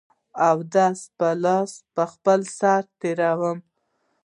اوس به لاس په خپل سر تېروم.